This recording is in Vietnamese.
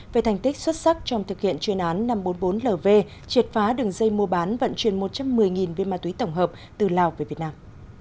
về thành tích xuất sắc trong thực hiện chuyên án năm trăm bốn mươi bốn lv triệt phá đường dây mua bán vận chuyển một trăm một mươi viên ma túy tổng hợp từ lào về việt nam